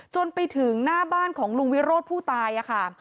จนไปถึงหน้าบ้านของลุงวิโรธผู้ตายค่ะ